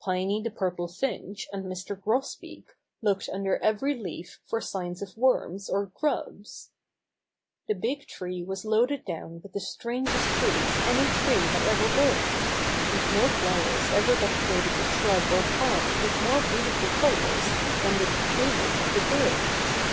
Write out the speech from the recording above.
Piney the Purple Finch and Mr. Grosbeak looked under every leaf for signs of worms or grubs. The big tree was loaded down with the strangest fruits any tree had ever born. And no flowers ever decorated a shrub or plant with more beautiful colors than did the plu mage of the birds.